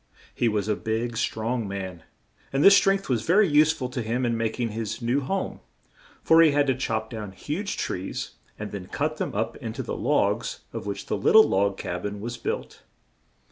He was a big, strong man, and this strength was ve ry use ful to him in mak ing his new home, for he had to chop down huge trees and then cut them up in to the logs of which the lit tle log cab in was built.